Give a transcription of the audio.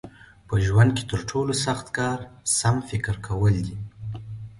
په ژوند کې تر ټولو سخت کار سم فکر کول دي.